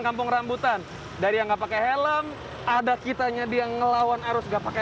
kampung rambutan dari yang nggak pakai helm ada kitanya dia ngelawan harus nggak pakai